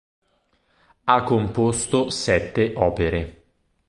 Ha composto sette opere.